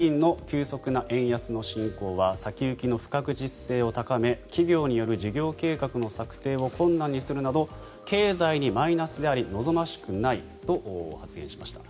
この日銀の黒田総裁が昨日、急速に進む円安について最近の急速な円安の進行は先行きの不確実性を高め企業による事業計画の策定を困難にするなど経済にマイナスであり望ましくないと発言しました。